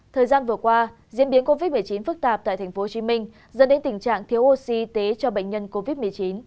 thời gian vừa qua diễn biến covid một mươi chín phức tạp tại tp hcm dẫn đến tình trạng thiếu oxy y tế cho bệnh nhân covid một mươi chín